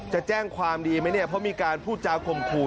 จะแจ้งความดีไหมเนี่ยเพราะมีการพูดจาข่มขู่